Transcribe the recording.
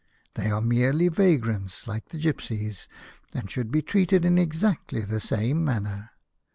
They are mere vagrants like the gipsies, and should be treated in exactly the same manner."